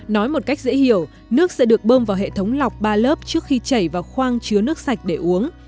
nói một cách dễ hiểu nước sẽ được bơm vào hệ thống lọc ba lớp trước khi chảy vào khoang chứa nước sạch để uống